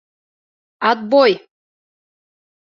Отбой!